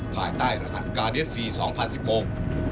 ภายใต้รหัสการ์เดียส๔สองพันธุ์สิบโกม